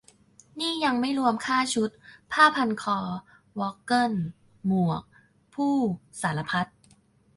นี่ยังไม่รวมค่าชุด ผ้าพันคอ วอกเกิล หมวก พู่ สารพัด